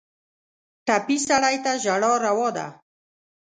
ټپي سړی ته ژړا روا ده.